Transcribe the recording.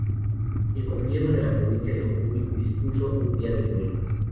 El gobierno de la provincia de Jujuy dispuso un día de duelo.